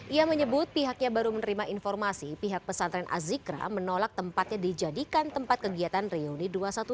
ia menyebut pihaknya baru menerima informasi pihak pesantren azikra menolak tempatnya dijadikan tempat kegiatan reuni dua ratus dua belas